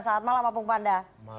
selamat malam opung panda